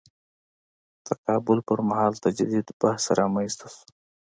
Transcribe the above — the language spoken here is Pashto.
تقابل پر مهال تجدید بحث رامیدان ته شو.